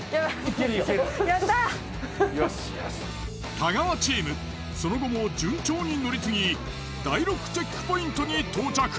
太川チームその後も順調に乗り継ぎ第６チェックポイントに到着。